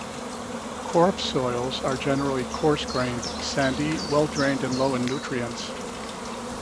Korup soils are generally coarse-grained, sandy, well drained and low in nutrients.